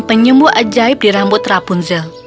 penyembuh ajaib di rambut rapunzel